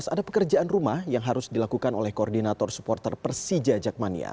ada pekerjaan rumah yang harus dilakukan oleh koordinator supporter persija jakmania